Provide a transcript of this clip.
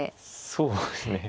そうですね。